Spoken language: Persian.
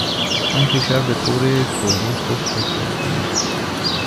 آن کشور به طور کلی خشک و کوهستانی است.